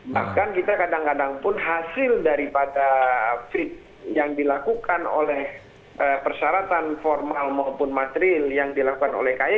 bahkan kita kadang kadang pun hasil daripada fit yang dilakukan oleh persyaratan formal maupun material yang dilakukan oleh kay